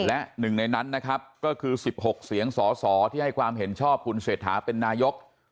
และหนึ่งในนั้นนะครับก็คือ๑๖เสียงสอสอที่ให้ความเห็นชอบคุณเศรษฐาเป็นนายก